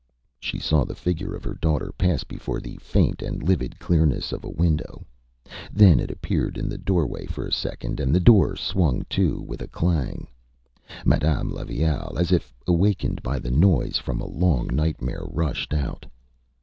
.. .Â She saw the figure of her daughter pass before the faint and livid clearness of a window. Then it appeared in the doorway for a second, and the door swung to with a clang. Madame Levaille, as if awakened by the noise from a long nightmare, rushed out.